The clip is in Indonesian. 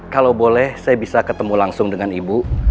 kalau boleh saya bisa ketemu langsung dengan ibu